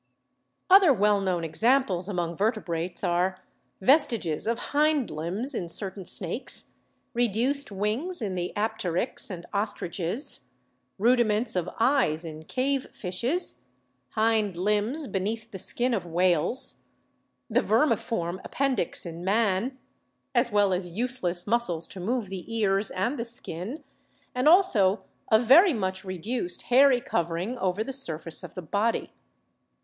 Other well known examples among vertebrates are: Vestiges of hind limbs in certain snakes, reduced wings in the Apteryx and ostriches, rudiments of eyes in cave fishes, hind limbs beneath the skin of whales, the vermi form appendix in man, as well as useless muscles to move the ears and the skin, and also a very much reduced hairy covering over the surface of the body.